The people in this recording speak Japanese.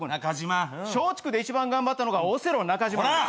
松竹で一番頑張ったのがオセロ中島です。